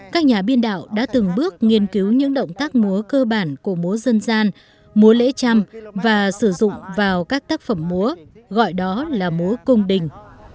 các nhà biên đạo đã từng bước nghiên cứu những động tác múa cơ bản của múa dân gian múa lễ trăm và sử dụng vào các tác phẩm múa gọi đó là múa cung đình